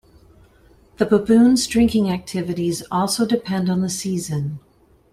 The baboons' drinking activities also depend on the season.